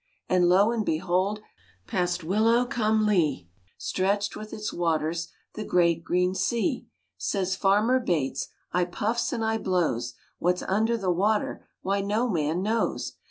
And lo, and behold! Past Willow cum Leigh Stretched with its waters The great green sea. Says Farmer Bates, "I puffs and I blows, What's under the water, Why, no man knows!"